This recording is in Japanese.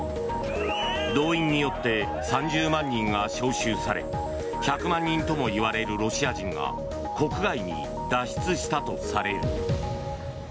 動員によって３０万人が招集され１００万人ともいわれるロシア人が国外に脱出したとされる。